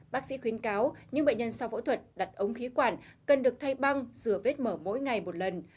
bác sĩ khuyến cáo những bệnh nhân sau phẫu thuật đặt ống khí quản cần được thay băng rửa vết mở mỗi ngày một lần